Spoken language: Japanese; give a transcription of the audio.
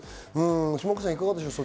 下川さん、いかがでしょう？